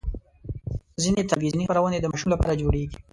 ځینې تلویزیوني خپرونې د ماشومانو لپاره جوړېږي.